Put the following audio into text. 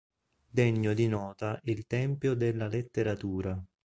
Degno di nota il Tempio della Letteratura.